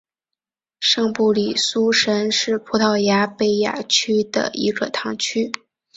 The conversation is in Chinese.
圣布里苏什是葡萄牙贝雅区的一个堂区。